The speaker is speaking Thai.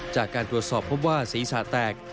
จากการตรวจสอบพบว่าศีรษะแตก